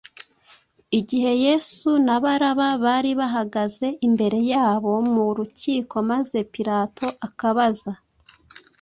Igihe Yesu na Baraba bari bahagaze imbere yabo mu rukiko maze Pilato akabaza